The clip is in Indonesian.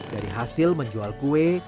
dari hasil menjual kue